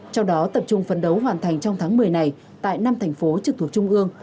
trong đó tập trung phấn đấu hoàn thành trong tháng một mươi này tại năm thành phố trực thuộc trung ương